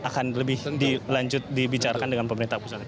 akan lebih dilanjut dibicarakan dengan pemerintah pusat